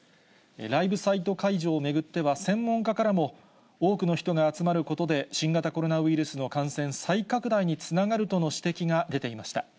ライブサイト会場を巡っては、専門家からも多くの人が集まることで、新型コロナウイルスの感染再拡大につながるとの指摘が出ていました。